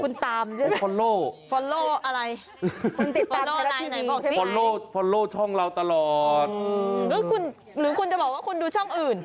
คุณตามใช่ไหมฟอลโลว์ฟอลโลว์อะไรฟอลโลว์ช่องเราตลอดหรือคุณจะบอกว่าคุณดูช่องอื่น